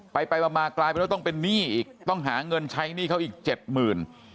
ไปไปมากลายเป็นว่าต้องเป็นหนี้อีกต้องหาเงินใช้หนี้เขาอีกเจ็ดหมื่น